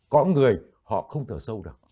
có người họ không thở sâu